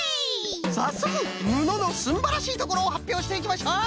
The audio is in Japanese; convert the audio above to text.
さっそくぬののすんばらしいところをはっぴょうしていきましょう！